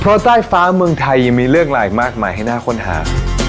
เพราะใต้ฟ้าเมืองไทยยังมีเรื่องหลายมากมายให้น่าค้นหา